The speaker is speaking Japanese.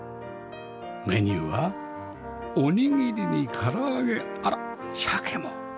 メニューはおにぎりに唐揚げあらシャケも！